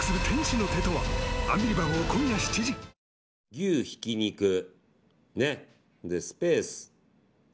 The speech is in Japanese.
牛ひき肉、で、スペース。